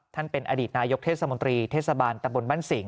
ท่านเป็นอดีตนายกเทศมนตรีเทศบาลตำบลบ้านสิง